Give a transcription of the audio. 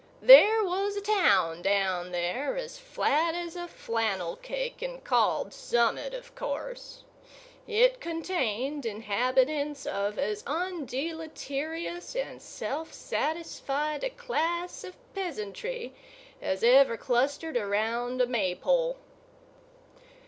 There was a town down there, as flat as a flannel cake, and called Summit, of course. It contained inhabitants of as undeleterious and self satisfied a class of peasantry as ever clustered around a Maypole.